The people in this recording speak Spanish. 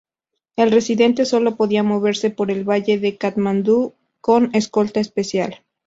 El residente sólo podía moverse por el valle de Katmandú con escolta especial.